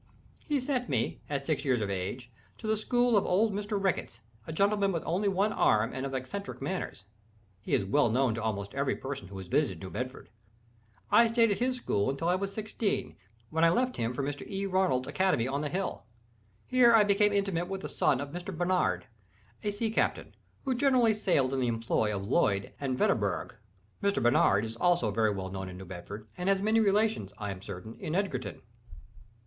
He sent me, at six years of age, to the school of old Mr. Ricketts, a gentleman with only one arm and of eccentric manners—he is well known to almost every person who has visited New Bedford. I stayed at his school until I was sixteen, when I left him for Mr. E. Ronald's academy on the hill. Here I became intimate with the son of Mr. Barnard, a sea captain, who generally sailed in the employ of Lloyd and Vredenburgh—Mr. Barnard is also very well known in New Bedford, and has many relations, I am certain, in Edgarton.